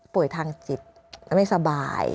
ป่วยทางจิตไม่สบาย